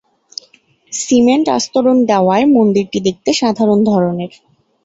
Cement আস্তরণ দেওয়ায় মন্দিরটি দেখতে সাধারণ ধরনের।